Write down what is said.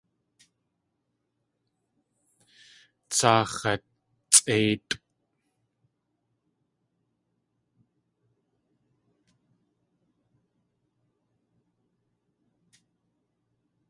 Tsaa x̲atsʼéitʼ.